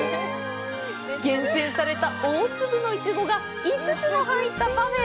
厳選された大粒のいちごが５つ入ったパフェ！